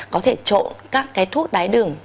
có thể trộn các cái thuốc đái đường